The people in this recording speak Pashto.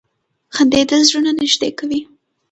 • خندېدل زړونه نږدې کوي.